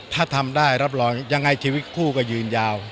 ถ้าทำได้รับรองยังไงชีวิตคู่ก็ยืนยาว